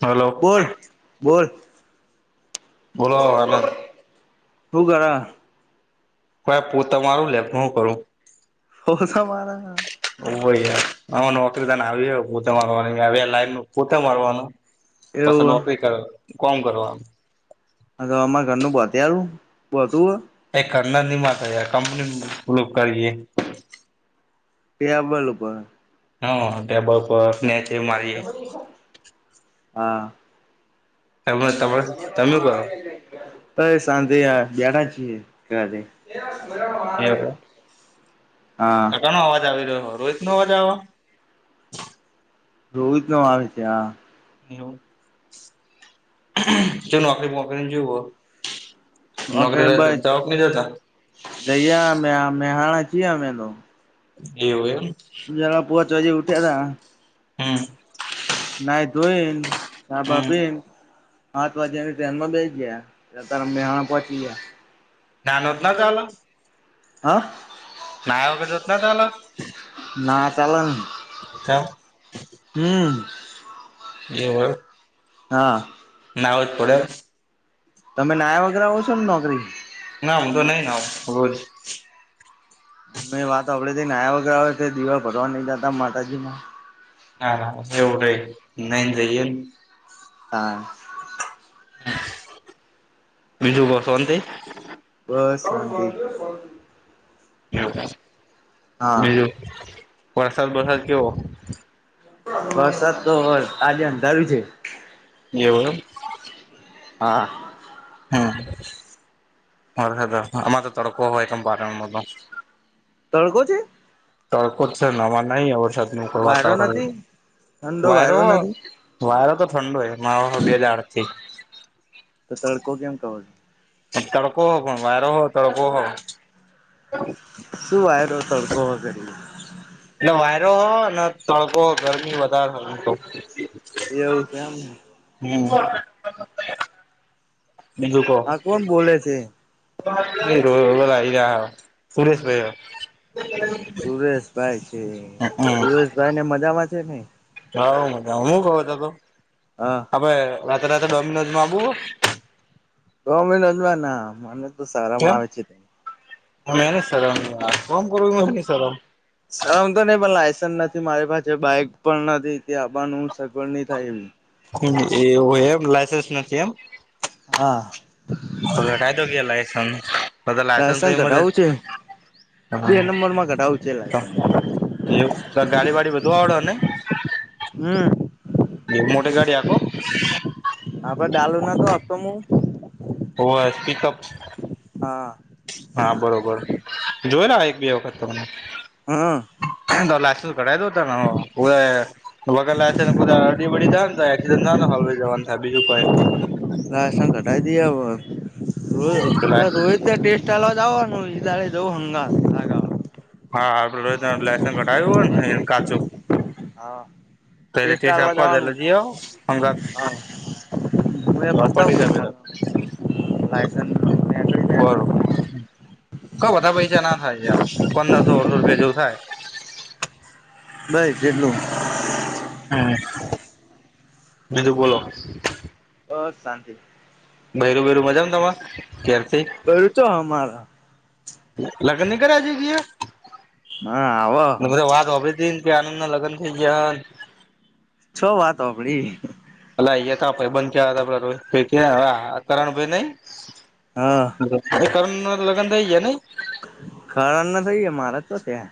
Hello બોલ બોલ બોલો આનંદ શું કરે? કો તમારું લેપનું કરું હોસા માાર હ યાર આ નોકરી તને આવી પોતે મારવાની લાઈન પોતે મારવાનું કસ એવું નોકરી કર કોમ કરવા આમ. હ તો અમારા ઘરનું બત્યયારું બતું હો. એ કરનાર ની માત યાર કંપની પલ કરી. કે આપબલું પણ હા ટેબલ પરનેચ હા. તમે તમે તમે મા કરો અ એ સાંધે આ બે્યાડા છે કરે એ હા આટનો અવાજ આવી રહ્યો રોહિત નો અવાજ આવ રોહિત નો આવે છે આ એવું જો નોકરી મોકરી જવ હો નોકરી જવા નહી જતા. દૈયા મે મે હા અચી વદ એવું એમ પોચ વા ઉઠ્યા હતા. હમ ના ધોઈન સાબા હમ પીન હા તો વાજે એ ટ્રેન માં બેસી ગયાત્યારે મેહાણા પહોંચી ગયા. નાઞનત ના ચાલ હા ના વગરત ન ચાલ ના ચાલન કા હમ એવું એમ ના ના‌ઉજ પડે તમે નાયા વગેરે આવો છો નોકરી ના હું તો નહી ના‌ઉ રોજ અમે વાત આપડે થી નાયા વગર આવે દિવાલ ભરવા નઈ જતા માતાજી માં ના ના એવું નહીં ના‌ઈને જ‌ઇયે હા બીજું બહુ શાંતિ બસ શાંતિ હા બીજું વરસાદ વરસાદ કેવો. વરસાદ તો આજે અંધારું છે એવું એમ હા હમ અ આમાં તો તડકો હોય તો પા તડકો છે. તડકો જ છે હવા નહી છત [unintelligible] વાયરો વાતાવરણ નથી ઠંડો વાયરો નથી. વાયરો તો ઠંડો માવા બે દાડ થી તો તડકો કેમ કહો તડકો હો પણ વારો હો તડકો હો શું વાયરો તડકો હો કરી એટલે વાયરો હો અને તડકો ગરમી વધારે થતી બહુ એ એવું છે એમ હમ બીજું કો હા કોણ બોલે છે આવી રહ્યા સુરેશ ભાઈ સુરેશભાઈ છે સુરેશભાઈ ને મજામાં છે ને. મજા હો મજા હા. આપણે જતા જતા ડોમિનોઝ માં આવું હે ડોમિનોઝમાં ના મને તો શરમ આવે છે. મનેને શરમ આવે કોમ કરવામાં માં શેની શરમ શરમ તો નહી પણ લાયસન્સ નથી મારી પાસે બાઈક પણ નથી ત્યાં આવાનું સગવડ નહી થાય એમ હમ એવું એમ લાઇસન્સ નથી એમ હા તો કઢાય દ્યો લાયસન્સ તો લાયસન્સ કઢાવું ઇમરજન્સી છે બે નંબરમાં કઢાવવું છે લાઇસન્સ એવું ગાડી વાડી બધું આવડે ને હમ એ મોટે ગાડી હાંકો ના ભા ડાલુ નહોતો આપતો હું ઓ એસ પિકઅપ હા. હા બરોબર જોય ના એક બે વખત તો મને હમ એ લાયસન્સ કઢાય તો હોતા હોવે વગર લાયસન્સ પો અડી બડી જાય ને તો એક્સિડન્ટ થાય ને હળવે જવાનું થાય બીજું કોઈ ન લાઇસન્સ કઢાવી દઈએ હમ હવે પેલા રો રોહિતે ટેસ્ટ ચાલવા જવાનું ઈ દાડે જો હંગાથ. હા હા આપણે લાયસન્સ કઢાયું હોય ને કાચું હા. પહેલી ટેસ્ટ થી જ આલવા આપવા જવાનું છે હંગાથ હું પ્રોપટી જ [unintelligible] લાઇસન્સ ને બરોબર ક વઘારે પૈસા ના થાય યાર પંદર સોળસો રૂપિયા જેવું થાય. નાઈ કેટલું હમ બીજો બોલો ઓ શાંતિ ભેરું ભૈરું મજા ને તમારે ઘેર બૈરું ચો અમારા લગન નહી કર્યા હજી હા હવે બધા વાત સાંભરી ને કે આનંદ ના લગન થઈ ગયા છો વાત હો સાંભળી ભ અયા થાઈ બંધયા હતા હ કરણ ભાઈ નઈ હા કરણના લગન થઈ ગયા નહી કરણ ના થઈ મારા તો ત્યાં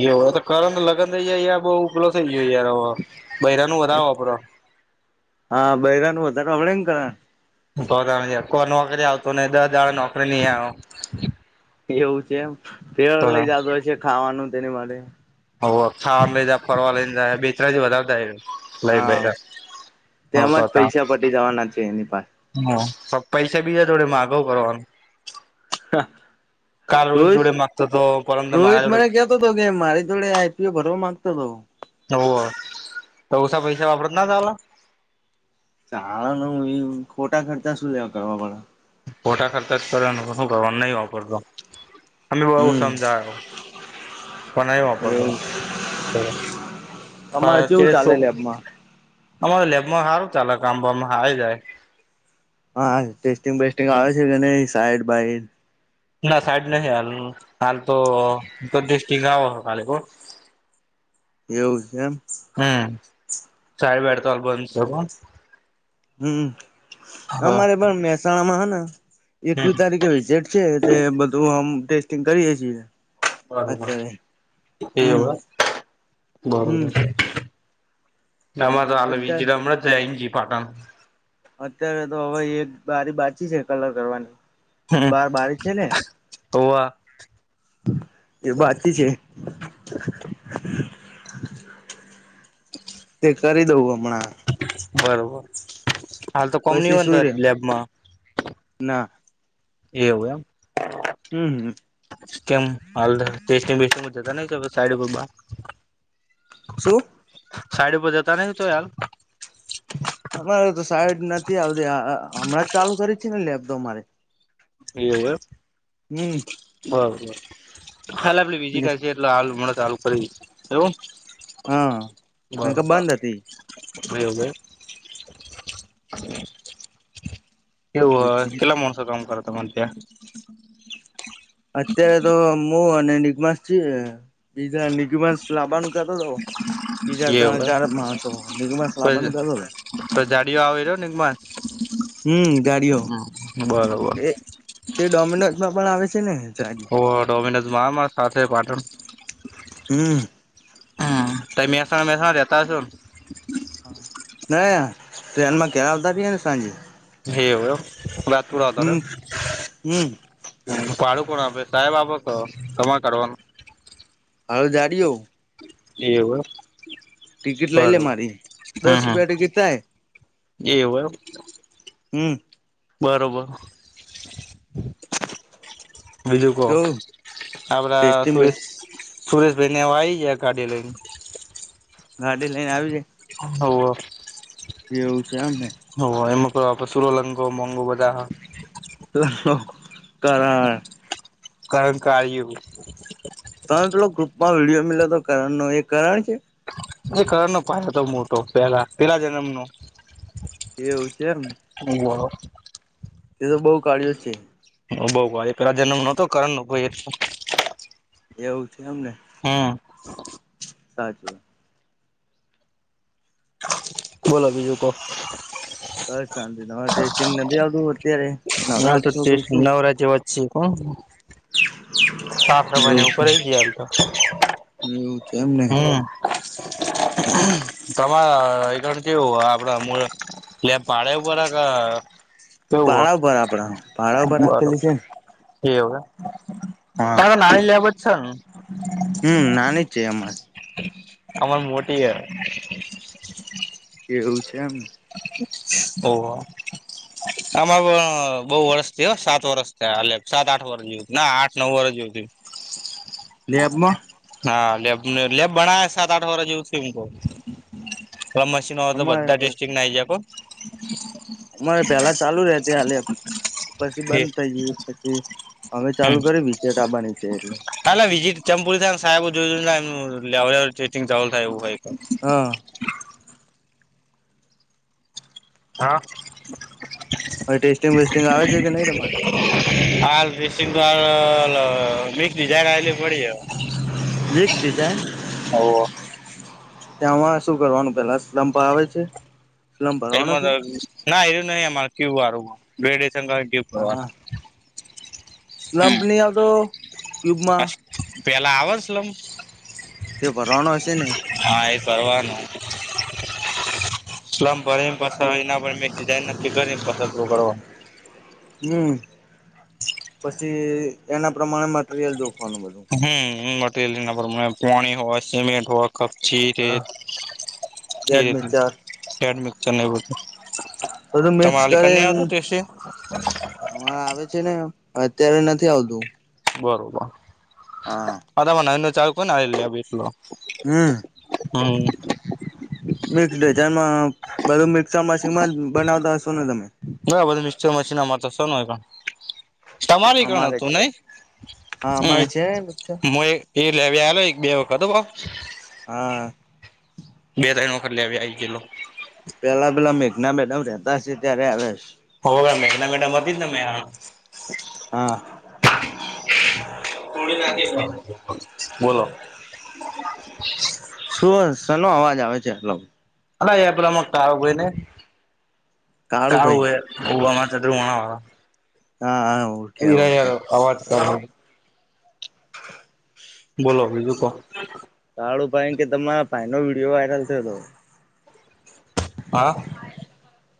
એવ તો કરણ લગન થઈ જાય યાર બહુ ઉપલો થઇ ગયો યાર હવે બહીરા નો વધારે સાંભળે હા બૈરાનું વધારે હભડે ને કરણ બ તણ કો નોકરી આવત નહી દસ દાડા નોકરી નહી આવ એવું છેમ ફેર તો હવે લઈ જતો હશે ખાવાનું તેની માટે હ ખાવા લઈ જાય ફરવા લઈને જાય બે ત્ર વધારતાાય [unintelligible] હા તેમાં જ પૈસા પટી જવાના છે એની પાસે હા પૈસા બીજા થોડે માગો કરવાનું કાલ રોહી જોડે માગતો તો પરમ દળે મારા જોડે તો હતો કે મારી જોડે આઈપી ભરવા માંગતો હતો ઓ તો ઉછ પૈસા વાપરત ના તલા [unintelligible] ચાાર ન ખોટા ખર્ચા શું લેવા કરવા પળ ફોટા ખર્ચા જ કરે શું કરવાનું નહી વાપરતો અમે બુ હમ સમજાય પણ નય વાપરતો એવું ત તમારે કેવું શ ચાલે લેબમાં અમારે લેબમાં સારું ચાલે આામમાં આઈ જાય હા ટેસ્ટિંગ બેેસ્ટિંગ આવે છે કે નઈ સાઈડ બાઈડ ના સાઈડ નહી હાલ હાલ તો દિસ્ટ ગાવ હતો કાલે [unintelligible] [inaudible] એવું છે એમ હમ સાઇડ બીડ તો બંધ સ હમ હા અમારે પણ મહેસાણા માં હ ને એકવીસ હમ તારીખે વિેટ છે તે બધું આમ ટેસ્ટિંગ કરીએે છીએ બરોબર અત્યારે હમ એવું હે હમ નામા તો આાલ અત્યારે વિજરામ જ એમજી પાટણ અત્યારે તો હવે એક બારી બાચી છે કલર કરવાની હમ બાર બારી છે ને હોવે એ વાતથી છે તે કરી દઉં હમણાં બરોબર હાલ તો કોમ ની પસી હોય શું ને રે લેબમાં ના. એવું એમ? અમ હમ્મ. કેમ હટેસ્ટ બેસ્ટ જતા ન સાઈડ બ્બા સું સાઈડી પર જતા [unintelligible] અમારે તો સાઈડ નથી આવતી હમણાં જ ચાલુ કરી છે ને લેબ તોઅ મારે એવ હમ બરો ખાલે આપડ વિઝિટ હશે [unintelligible] [inaudible] એટલે હાલ મ ચાલુ કરી એવું હા ન કે બરોબર બંધ ગયો ગયો. કેવું હ હતી કેટલા મોણસો કામ કરે તમાર ત્યાં? અત્યારે તો મુ અને નિગમાસ છીએ. પીઝા નિક્માસ લાબાનું કેતો તો. બીજા ત્રણ એવું ચાર માણસો [unintelligible] હોય કેતો તો. તો જાડીયો આવે રહ્યો નિગમાસ. હમ્મ, જાડિયો બરોબર એ તે ડોમિનોઝમાં પણ આવે છે ને. ગાડી હોવ ડોમિનોઝમાં આવે ન માર સાથે પાટણ. હમ્મ. તઈ મહેસાન મહેસાણા રેતા હશો ન? હ ના ટ્રેનમાં ઘેર આવતા રએ ને સાંજે. જે હોય વાતુડા કરે. હમ્મ હમ્મ હમ્મ, ભાડું કોણ આપે? સાહેબ આપે કે તમાર કાઢવાનું? હવે જાડિયો. એવું હ. ટિકિટ લઈ લે મારી, દસ હમ રૂપિયા ટિકિટ થાય. એવું હ. હમ્મ. બરોબર. બીજું કો, કેવું આપડા ટેસ્ટિંગ સુરેશ સુરેશભાઈને આઈ ગયા ગાડી લઈને. ગાડી લઈને આવી જાય. હોવ. એવું છે એમ ને. હોવ એમાં કો આપ સુરોલંગો મોંઘું વધાર હ. કરાવે. કરંકા આઈહે વુ. તમે પેલો ગ્રુપમાં વિડીયો મેલ્યો તો કરણનો એ કરણ છે? એ કરણનો ભાઈ હતો મોટો, પેહલા પેલા જન્મનો. એવું છે એમને? હોવ. તે તો બઉ કાળ્યો છે. હવ બઉ કાળ્યો પેલા જન્મમાં નતો કરણનો ભઈ એટલો. એવું છે એમને. હમ્મ. સાચું. બોલો બીજું કો. બસ શાંતિ તમાર ટેસ્ટિંગ નથી આવતું અત્યારે? નવરા હાલ તો છો કે ટેસ્ટ શું નવરા જેવા જ છે કો. સાફ સફાઈ એવું ને છે ઉપરેય જીયાલ તો. એવું છે એમ. હમ્મ, તમાર એ ધડ કેવું આપડા લેબ પાડે પરા ગ પાડા ઉપર આપડા પાડા હ ઉપર બરોબર રાખેલી છે. એવું હૈ હા તારો નાની લેબ જ છે ને હમ્મ, નાની જ છે એમાં જ. અમાર મોટી હે. એવું છે એમ. ઓવ. આમાં અ બહુ વર્ષ થયા સાત વરષ થયા લે સાત આઠ વર્ષ જેવું. ના આઠ નવ વરહ [unintelligible] લેબમાં હા, લેબ ને લેબ બના સાત આઠ વર જેવું થયું થોડા મસ છી ના હો અમારે બધા તો ટેસ્ટીંગ ના આઇજે કો. અમારે પેલા ચાલુ રેતી હલે પછી બંધ થઇ ગઈ પછી. અમે ચાલુ કરી વિચેટાબા ની છે એટલે. ચાલે વિઝિટ ચંપુરી થાય સાહેબ જોય એે થાય લાવે ચાર્ટિંગ એવું હોય તો. હા. હા. હવે ટેસ્ટિંગ વેસ્ટિંગ આવે છે કે નહીં તમારે? હા બસ્ટિક તો આલો મિક જીજા લાએ પડી હો. જી ડિઝાઇન ત્યાંમાં શું કરવાનું પેલા સ્લંપ આવે છે. સ્લમ્પ ભરવાનો તેમાં છે ર ના એવું નહી અમારે ક્યુ વારું [inaudible] હા કરવાના. સ્લમ્પ નહીં આવતો ક્યુબમાં પેલા આવે સ્લમ્પ તે ભરવાનો હશે ને. હા, એ કરવાનું સ્લમ પર એમ પસ એના મે જાયને નક્કી કર એમ પસું કરવાનું હમ્મ. પછી એના પ્રમાણે મટરિયલ જોખવાનું બધું. હમ્મ, હમ્મ. મરિયલ એના પ્રમાણે પાણી હોય સિમેન્ટ હોય કપચી, હા રેત એ બેડ મિક્ચર રીતે મિક્ચર ને બધું બધું મિક્સ તમાલી કન્યા કરીને આવતો કેશે. અમારે આવે છે ને અત્યારે નથી આવતું. બરોબર. હા. માધા ન ચાલ કોઈને આવેલી બેટલો હમ હમ્મ મિક્સ વેચાણ માં બધું મિક્સ આ મશીન માં બનાવતા હશો ને તમે? બરાબર આ મિક્સચર મશીન અમાર તો છે ના એકા તમારી કણે અમારે હતું છે નહી. હા હમ્મ, અમારે છે ને મિક્સર મોહે એ લેવી આલો એક બે વખત હા બ હા. બે તઈન વખત લેવી આઈ ગેલો પેલા પેલા મેઘના મેડમ રહેતા છે ત્યારે આવેશ. હોવે મેઘના મેડમ હતી જ ના મે આ હા. બોલો. શું શેનો અવાજ આવે છે એટલો? અલા એ પેલામાં કા હોય ને કાળુ કાવું ભાઈ હોય ઉવાના [inaudible] હા હા ઓળખે ઓળખે. અવાજ કાઢો બોલો બીજું કો? કાળું ભાઈ કે તમારા ભાઈનો વીડીયો વાયરલ થયો તો. આ.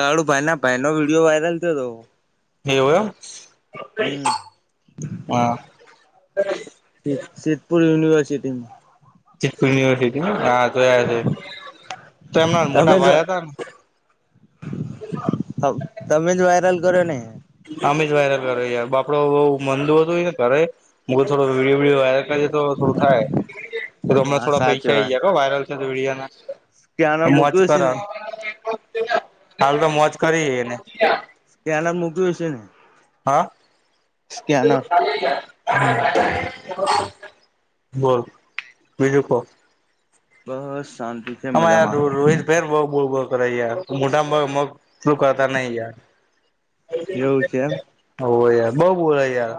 કાળુ ભાઈ ના ભાઈ નો વિડીયો વાયરલ થયો તો. એવું એમ, હમ હા. સિ-સિદ્ધપુર યનિવર્સિટીનું. સિદ્ધપુર યુનિવર્સિટીમાં હા જોયા છે. તો એમના તમે મોટા જ ભાઈ હતા ને તમે જ વાયરલ કર્યો ને? આમે જ વાયરલ કરો યાર, બાપડો મંદુ હતુંય ને કારે મુ થોડો વિડીયો વાયરલ તો થોડું થાય, તો હમંના હા થોડા સાચી પૈસા આ આવી વાત. જાય વાયરલ છે તો વિડિયા ના? સ્કેનર મોજ મૂક્યું હશે કરો, ને? કાલ તો મોજ કરીએને. સ્કેનર મોકલ્યું હશે ન. હા? હમ્મ, બોલ બીજું કો? બસ શાંતિ. છે અમાંયાર રો મજામાં. રોહિત ભઈ બોલ બોલ કરે ભઈ યાર મોઢા માં મગ સૂકાતા નઈ યાર. એવું છે એમ હોવે યાર બહ બોલો યાર.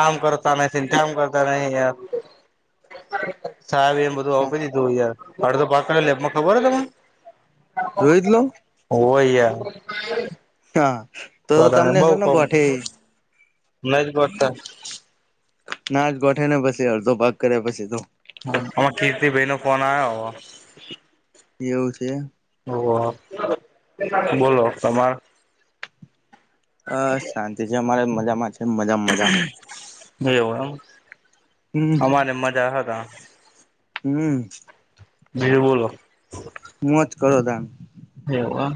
આમ કરતા નથી ન તેમ કરતા નહી યાર ચાવી ન બધું આપી દીધું યાર અડધો ભગ તો પાકડે લેમાં ખબર હે તને? રોહિત લો? હોવે યાર. હા તો તને તમને બઉ શેનો કઉં ગાંઠે એ. નથ ગાંઠતા. ના જ ગોઠ ને પછી અડધો ભાગ કર્યા પછી તો. હમ્મ, આમાં કીર્તિભાઈનો ફોન આવ્યો. એવું છે. હોવે, બોલો તમાર? બસ શાંતિ છે, અમારે મજામાં જ. મજામાં એમ, હમ અમારે મજા હતા. હમ્મ. બીર બોલો? મુંજ કરો તમ. એવુ એમ?